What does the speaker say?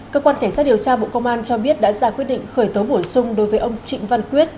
cơ quan cảnh sát điều tra bộ công an cho biết đã ra quyết định khởi tố bổ sung đối với ông trịnh văn quyết